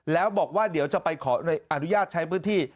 แล้วบอกว่าเดี๋ยวจะไปขออนุญาตใช้พื้นที่